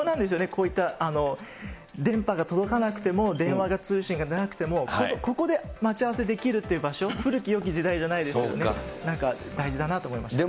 こういった電波が届かなくても、電話が、通信がでなくてもここで待ち合わせできるという場所、古きよき時代じゃないですけど、なんか大事だなと思いました。